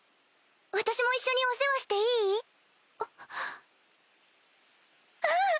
私も一緒にお世話していあっうん！